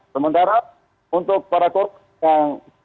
sementara untuk para korban yang